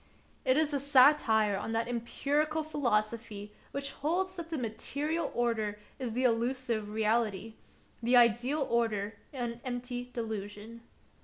It is a satire on that empirical philosophy which holds that the material order is the elusive reality, the ideal order an empty delusion.